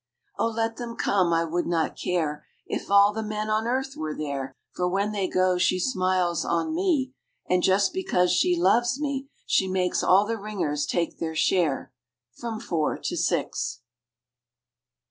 Oh let them come—I would not care If all the men on earth were there; For when they go she smiles on me, And, just because she loves me, she Makes all the ringers take their share From four to six.